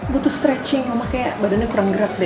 butuh stretching mama kayak badannya kurang gerak deh